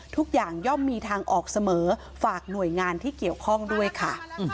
ย่อมมีทางออกเสมอฝากหน่วยงานที่เกี่ยวข้องด้วยค่ะ